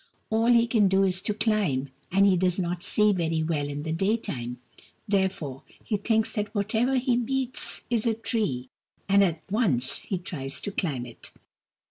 All he can do is to climb, and he does not see very well in the daytime : therefore, he thinks that whatever he meets is a tree, and at once he tries to climb it.